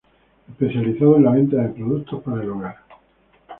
Especializado en la venta de productos para el hogar.